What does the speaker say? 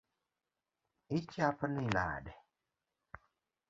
Ichapni nade?